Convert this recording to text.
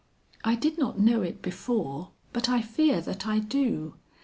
"I did not know it before, but I fear that I do.